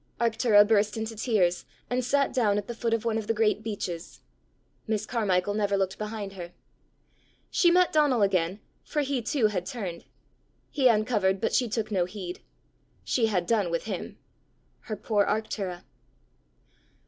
Arctura burst into tears, and sat down at the foot of one of the great beeches. Miss Carmichael never looked behind her. She met Donal again, for he too had turned: he uncovered, but she took no heed. She had done with him! Her poor Arctura.